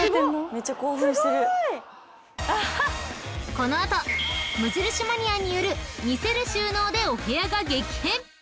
［この後無印マニアによる魅せる収納でお部屋が激変］